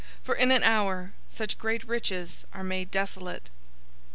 018:017 For in an hour such great riches are made desolate.'